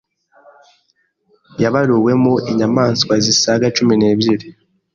yabaruwemo inyamaswa zisaga cumi nebyiri